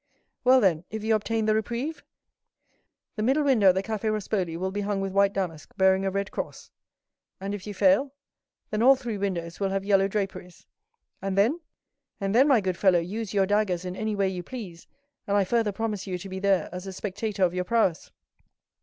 "Well, then, if you obtain the reprieve?" "The middle window at the Café Rospoli will be hung with white damask, bearing a red cross." "And if you fail?" "Then all three windows will have yellow draperies." "And then?" "And then, my good fellow, use your daggers in any way you please, and I further promise you to be there as a spectator of your prowess."